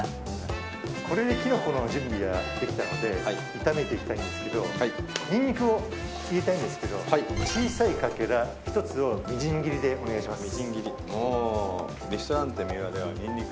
これでキノコの準備ができたので炒めていきたいんですけどニンニクを切りたいんですけど小さいかけら１つをみじん切りでお願いします。